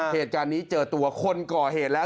เหตุการณ์นี้เจอตัวคนก่อเหตุแล้ว